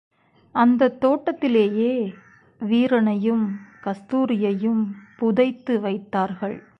அந்தத் தோட்டத்திலேயே வீரனையும் கஸ்தூரியையும் புதைத்து வைத்தார்கள்.